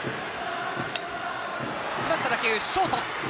詰まった打球、ショート。